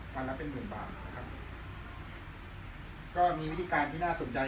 วันละเป็นหมื่นบาทนะครับก็มีวิธีการที่น่าสนใจ